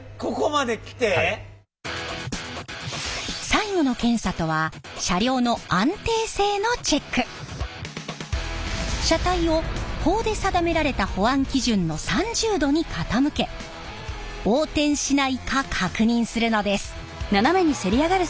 最後の検査とは車体を法で定められた保安基準の３０度に傾け横転しないか確認するのです。